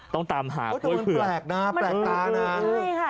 ต้องตามหากล้วยเผือกมันมีเบลอไหมผู้ชมแล้วนะคะ